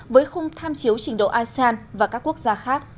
với khung tham chiếu trình độ asean và các quốc gia khác